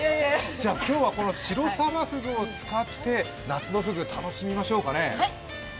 じゃあ、今日はこのシロサバフグを使って夏のフグ、楽しみましょうかね。